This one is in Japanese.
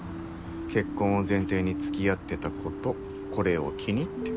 結婚を前提につきあってた子とこれを機にって。